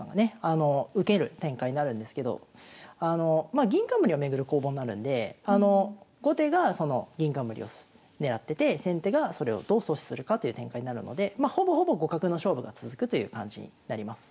まあ銀冠を巡る攻防になるんで後手がその銀冠を狙ってて先手がそれをどう阻止するかという展開になるのでほぼほぼ互角の勝負が続くという感じになります。